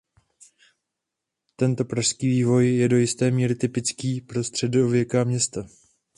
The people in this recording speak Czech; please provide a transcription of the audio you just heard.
Tento pražský vývoj je do jisté míry typický pro středověká města.